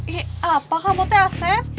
ih apa kamu tuh aset